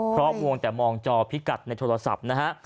เพราะวงแต่มองจอพิกัดในโทรศัพท์นะฮะ